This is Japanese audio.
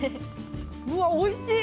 うわおいしい！